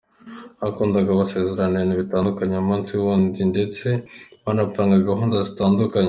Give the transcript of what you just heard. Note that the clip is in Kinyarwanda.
Abakundana basezerana ibintu bitandukanye umunsi ku wundi ndetse banapanga gahunda zitandukanye.